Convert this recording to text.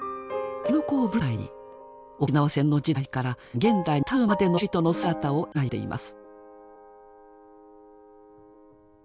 辺野古を舞台に沖縄戦の時代から現代に至るまでの人々の姿を描いています。